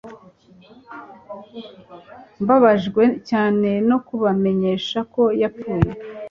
Mbabajwe cyane no kubamenyesha ko yapfuye